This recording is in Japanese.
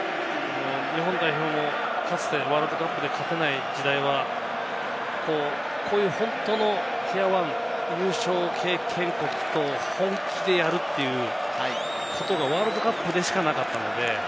日本代表もかつてワールドカップで勝てない時代はこういう本当のティア１、優勝経験国と本気でやり合うということがワールドカップでしかなかった。